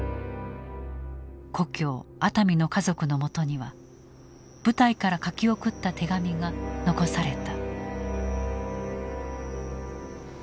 故郷熱海の家族のもとには部隊から書き送った手紙が残された。